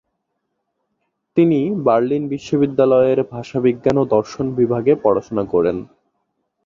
তিনি বার্লিন বিশ্ববিদ্যালয়ে ভাষাবিজ্ঞান ও দর্শন বিষয়ে পড়াশুনা করেন।